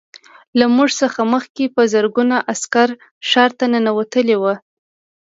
له موږ څخه مخکې په زرګونه عسکر ښار ته ننوتلي وو